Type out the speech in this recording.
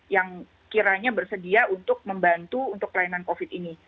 yang kiranya bersedia untuk membantu untuk kelainan covid sembilan belas ini